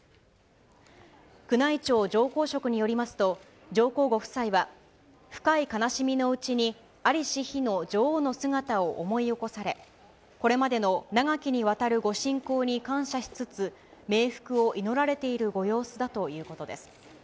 宮内庁上皇職によりますと、上皇ご夫妻は、深い悲しみのうちに、在りし日の女王の姿を思い起こされ、これまでの長きにわたるご親交に感謝しつつ、冥福を祈られているご様子だということです。